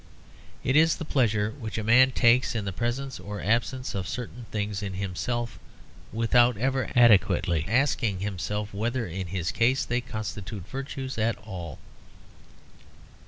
It is the pleasure which a man takes in the presence or absence of certain things in himself without ever adequately asking himself whether in his case they constitute virtues at all.